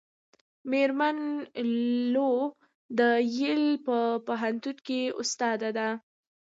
میرمن لو د ییل په پوهنتون کې استاده ده.